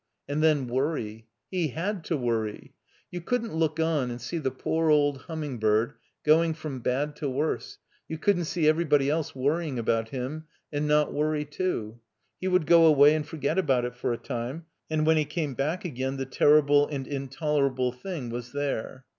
And then worry. He had to worry. You couldn't look on and see the poor old Humming bird going from bad to worse, you couldn't see everybody else worry ing about him, and not worry too. He would go away and forget about it for a time, and when he came back again the terrible and intolerable thing was there.